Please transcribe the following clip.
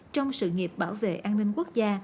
trong sự nghiệp bảo vệ an ninh quốc gia